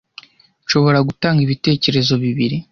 Nshobora gutanga ibitekerezo bibiri?